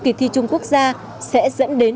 kỳ thi trung quốc gia sẽ dẫn đến